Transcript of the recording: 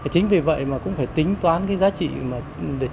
chính vì vậy mà cũng phải tính toán cái giá trị để chuyển